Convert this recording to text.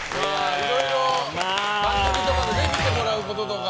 いろいろ番組とかで見てもらうこととか。